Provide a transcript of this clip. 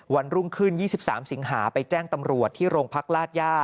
วันรุ่งขึ้น๒๓สิงหาไปแจ้งตำรวจที่โรงพักลาดย่า